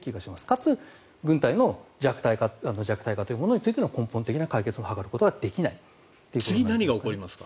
かつ、軍隊の弱体化というものについての根本的な解決を図ることはできないということになります。